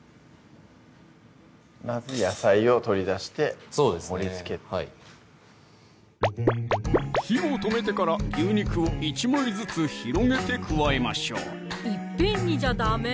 まず野菜を取り出してそうです盛りつける火を止めてから牛肉を１枚ずつ広げて加えましょういっぺんにじゃダメ？